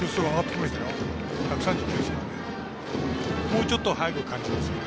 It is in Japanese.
もうちょっと速く感じますよね。